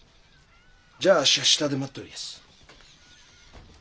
じゃあっしは下で待っておりやす。